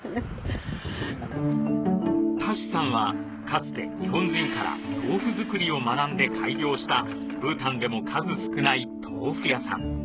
タシさんはかつて日本人から豆腐づくりを学んで開業したブータンでも数少ない豆腐屋さん